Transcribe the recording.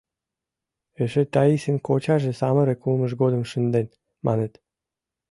Эше Таисын кочаже самырык улмыж годым шынден, маныт.